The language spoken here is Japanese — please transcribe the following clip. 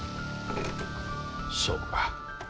そうか。